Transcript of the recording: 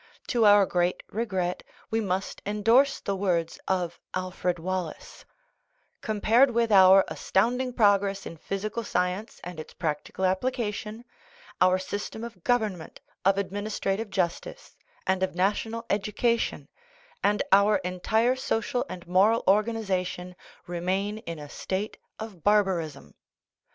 To our great regret we must en dorse the words of Alfred Wallace: "Compared with our astounding progress in physical science and its practical application, our system of government, of ad ministrative justice, and of national education, and our entire social and moral organization, remain in a state of barbarism."